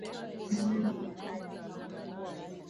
Taabu ni nyingi.